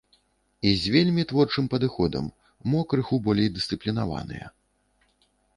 І з вельмі творчым падыходам, мо крыху болей дысцыплінаваныя.